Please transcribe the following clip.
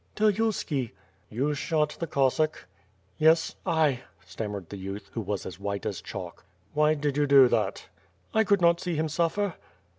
"Teleuski." "You shot the Cossack?" "Yes, I," stammered the youth, who was as white as chalk. "Why did you do that?" "I could liot see him suffer."